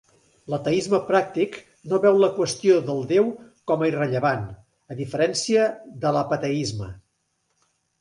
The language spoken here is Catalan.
L'ateisme pràctic no veu la qüestió del déu com a irrellevant, a diferència de l'"apateisme".